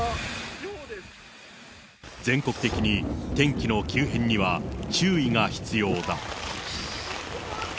全国的に天気の急変には注意が必要だ。